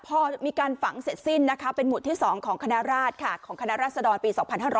พอมีการฝังเสร็จสิ้นเป็นมุติที่๒ของคณราชค่ะของคณราชดรปี๒๕๖๓